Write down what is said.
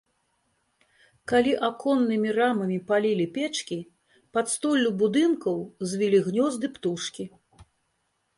Калі аконнымі рамамі палілі печкі, пад столлю будынкаў звілі гнёзды птушкі.